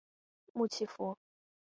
穆奇福。